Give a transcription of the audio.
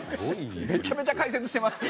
めちゃめちゃ解説してますね。